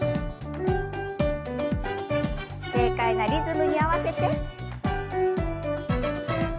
軽快なリズムに合わせて。